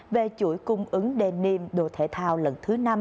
về chuỗi cung ứng den đồ thể thao lần thứ năm